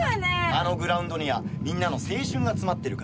あのグラウンドにはみんなの青春が詰まってるからな。